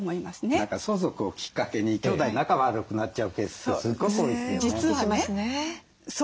何か相続をきっかけに兄弟仲悪くなっちゃうケースってすごく多いですよね。